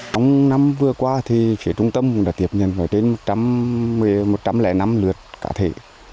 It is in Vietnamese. trong năm vừa qua thì phía trung tâm cũng đã tiếp nhận vào trên một trăm linh năm lượt cá thể